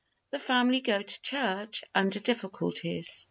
THE FAMILY GO TO CHURCH UNDER DIFFICULTIES.